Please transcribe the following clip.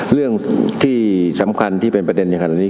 เรื่องที่สำคัญที่เป็นประเด็นอย่างขนาดนี้